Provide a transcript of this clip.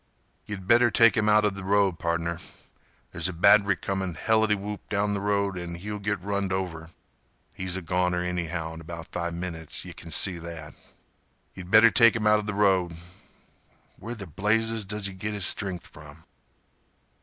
"Ye'd better take 'im outa th' road, pardner. There's a batt'ry comin' helitywhoop down th' road an' he'll git runned over. He's a goner anyhow in about five minutes—yeh kin see that. Ye'd better take 'im outa th' road. Where th' blazes does hi git his stren'th from?"